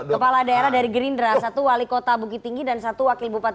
kepala daerah dari gerindra satu wali kota bukit tinggi dan satu wakil bupati